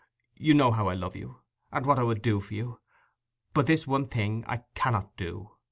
You know how I love you, and what I would do for you; but this one thing I cannot do.